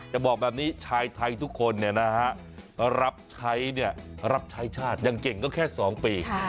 จะบอกแบบนี้ชายไทยทุกคนเนี่ยนะฮะรับใช้เนี่ยรับใช้ชาติอย่างเก่งก็แค่๒ปี